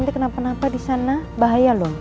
kayak rencana kita kita camping